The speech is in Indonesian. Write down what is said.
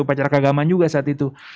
upacara keagamaan juga saat itu